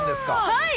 はい！